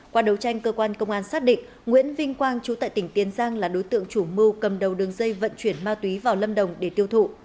qua đấu tranh cơ quan công an xác định nguyễn vinh quang chú tại tỉnh tiền giang là đối tượng chủ mưu cầm đầu đường dây vận chuyển ma túy vào lâm đồng để tiêu thụ